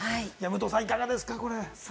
武藤さん、いかがですか？